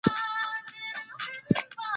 هغه به په آرامه ژوند وکړي.